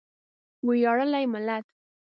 ویاړلی ملت.